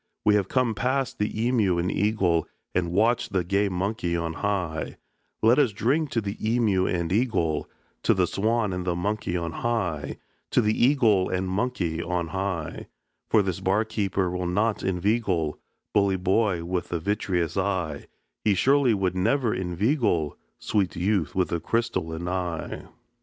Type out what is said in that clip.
We have come past the emeu and eagle, And watched the gay monkey on high; Let us drink to the emeu and eagle, To the swan and the monkey on high, To the eagle and monkey on high; For this bar keeper will not inveigle, Bully boy with the vitreous eye, He surely would never inveigle, Sweet youth with the crystalline eye."